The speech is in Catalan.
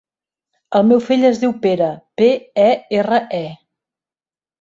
El meu fill es diu Pere: pe, e, erra, e.